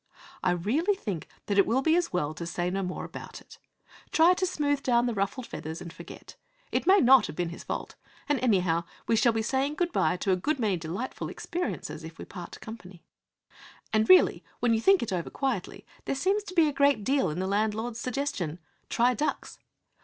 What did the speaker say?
I really think that it will be as well to say no more about it. Try to smooth down the ruffled feathers and forget. It may not have been his fault; and, anyhow, we shall be saying good bye to a good many delightful experiences if we part company. And, really, when you think it over quietly, there seems to be a great deal in the landlord's suggestion: 'Try ducks!'